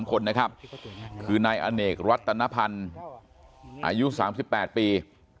คนนะครับคือนายอเนกรัตนพันธ์อายุ๓๘ปี